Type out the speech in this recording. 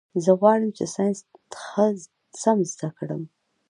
زه غواړم چي ساینس ښه سم زده کړم.